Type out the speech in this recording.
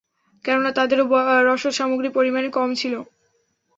কেননা, তাদেরও রসদ-সামগ্রী পরিমাণে কম ছিল।